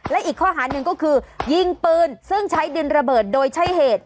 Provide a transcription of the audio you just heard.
และอีกข้อหาหนึ่งก็คือยิงปืนซึ่งใช้ดินระเบิดโดยใช้เหตุ